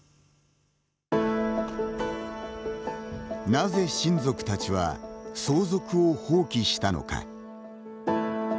なぜ親族たちは相続を放棄したのか。